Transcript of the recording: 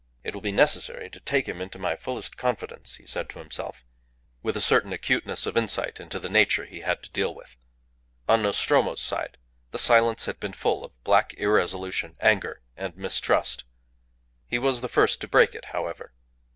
"It will be necessary to take him into my fullest confidence," he said to himself, with a certain acuteness of insight into the nature he had to deal with. On Nostromo's side the silence had been full of black irresolution, anger, and mistrust. He was the first to break it, however.